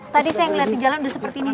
tadi saya ngeliat di jalan udah seperti ini